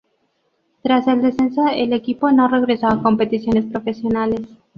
Tras el descenso el equipo no regresó a competiciones profesionales.